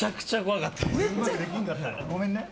ごめんね。